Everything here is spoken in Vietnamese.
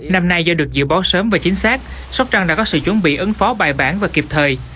năm nay do được dự báo sớm và chính xác sóc trăng đã có sự chuẩn bị ứng phó bài bản và kịp thời